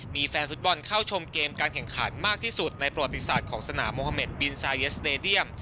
มีแฟนฟุตบอลเข้าชมเกมการแข่งขันมากที่สุดในประวัติศาสตร์ของสนามโมฮาเมดบินซาเยสเตดียม